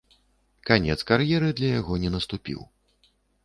Канец кар'еры для яго не наступіў.